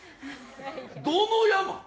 どの山？